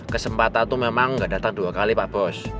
kesempatan tuh memang gak datang dua kali pak bos